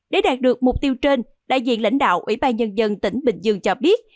để đạt được mục tiêu trên đại diện lãnh đạo ủy ban nhân dân tỉnh bình dương cho biết